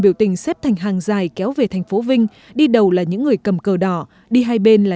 biểu tình xếp thành hàng dài kéo về thành phố vinh đi đầu là những người cầm cờ đỏ đi hai bên là